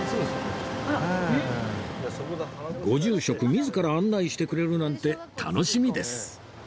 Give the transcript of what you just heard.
ご住職自ら案内してくれるなんて楽しみです